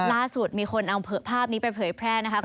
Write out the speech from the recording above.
ล่าสุดมีคนเอาภาพนี้ไปเผยแพร่นะคะ